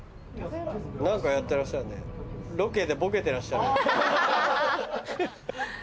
何かやってらっしゃるねロケでボケてらっしゃる。